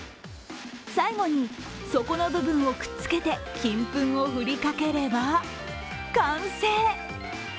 最後に、底の部分をくっつけて金粉を振りかければ完成。